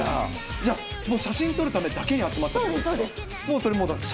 じゃあ、もう写真撮るためだけに集まって？